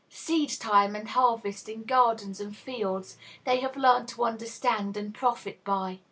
Seed time and harvest in gardens and fields they have learned to understand and profit by.